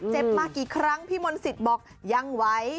มากี่ครั้งพี่มนต์สิทธิ์บอกยังไหว